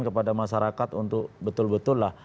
kepada masyarakat untuk betul betullah